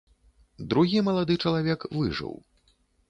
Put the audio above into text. Другі малады чалавек выжыў.